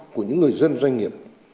của những người dân doanh nghiệp